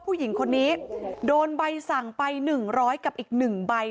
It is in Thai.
ผู้หญิงคนนี้โดนใบสั่งไป๑๐๐กับอีก๑ใบ